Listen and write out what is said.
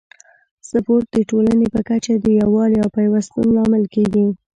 سپورت د ټولنې په کچه د یووالي او پیوستون لامل کیږي.